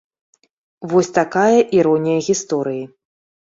Вось такая іронія гісторыі.